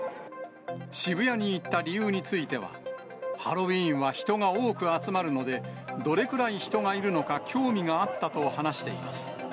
渋谷に行った理由については、ハロウィーンは人が多く集まるので、どれくらい人がいるのか興味があったと話しています。